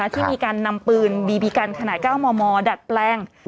ที่มีการนำปืนบีบีกันขนาด๙มมดัดแปลง